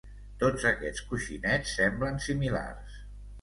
Tots aquests coixinets semblen similars.